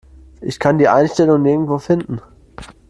Ich kann die Einstellung nirgendwo finden.